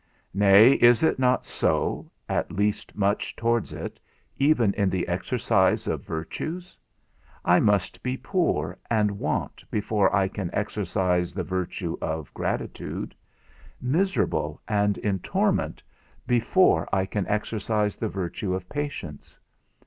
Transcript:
Nay, is it not so (at least much towards it) even in the exercise of virtues? I must be poor and want before I can exercise the virtue of gratitude; miserable, and in torment, before I can exercise the virtue of patience.